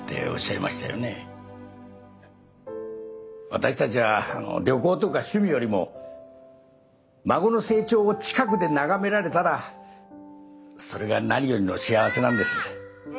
私たちは旅行とか趣味よりも孫の成長を近くで眺められたらそれが何よりの幸せなんですね。